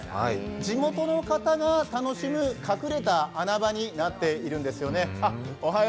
地元の方が楽しむ隠れた穴場になっているんですよね。